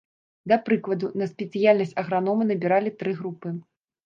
Да прыкладу, на спецыяльнасць агранома набіралі тры групы.